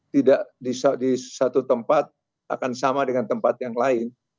tidak di satu tempat akan sama dengan tempat yang lain